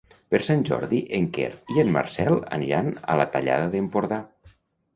Per Sant Jordi en Quer i en Marcel aniran a la Tallada d'Empordà.